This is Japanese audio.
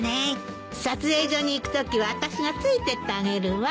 撮影所に行くときはあたしがついてってあげるわ。